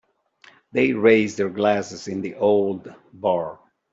They raised their glasses in the old bar.